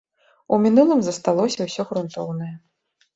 У мінулым засталося ўсё грунтоўнае.